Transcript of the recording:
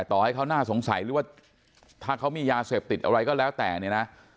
ต่อให้เขาน่าสงสัยหรือว่าถ้าเขามียาเสพติดอะไรก็แล้วแต่เนี่ยนะ